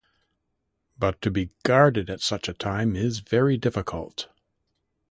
But to be guarded at such a time is very difficult.